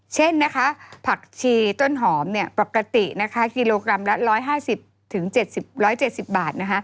เช่นนะคะผักชีต้นหอมปกตินะคะกิโลกรัมละ๑๕๐๗๐บาท